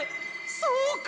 そうか！